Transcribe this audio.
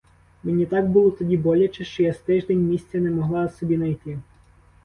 Мені так було тоді боляче, що я з тиждень місця не могла собі найти.